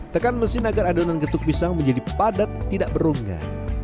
tekan mesin agar adonan getuk pisang menjadi padat tidak berunggah